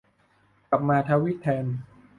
กลับมาทวีตแทน